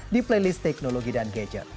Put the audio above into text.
di playlist teknologi dan gadget